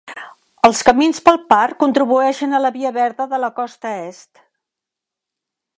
Els camins pel parc contribueixen a la via verda de la Costa Est.